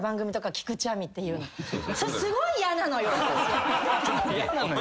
それすごいやなのよ。